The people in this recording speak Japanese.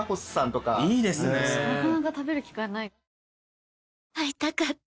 なかなか食べる機会ない。